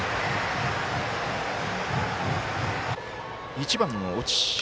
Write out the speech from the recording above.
１番の越智。